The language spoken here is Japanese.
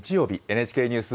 ＮＨＫニュース